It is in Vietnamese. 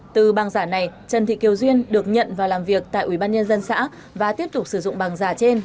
từ bằng giả này trần thị kiều duyên được nhận vào làm việc tại ubnd xã và tiếp tục sử dụng bằng giả trên